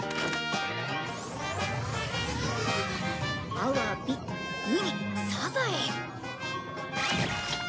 アワビウニサザエ。